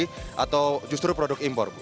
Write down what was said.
dari negara atau justru produk impor